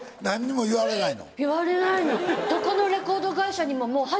言われないの。